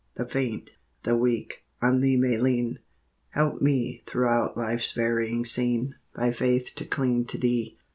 The faint, the weak, on Thee may lean; Help me, throughout life's varying scene, By faith to cling to Thee.